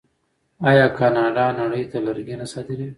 آیا کاناډا نړۍ ته لرګي نه صادروي؟